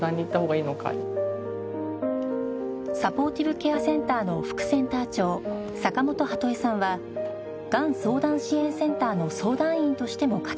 サポーティブケアセンターの副センター長坂本はと恵さんはがん相談支援センターの相談員としても活動